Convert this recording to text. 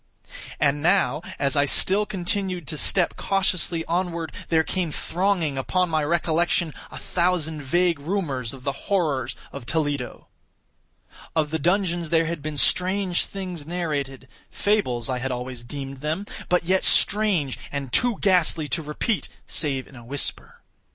And now, as I still continued to step cautiously onward, there came thronging upon my recollection a thousand vague rumors of the horrors of Toledo. Of the dungeons there had been strange things narrated—fables I had always deemed them—but yet strange, and too ghastly to repeat, save in a whisper.